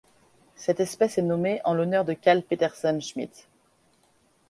Cette espèce est nommée en l'honneur de Karl Patterson Schmidt.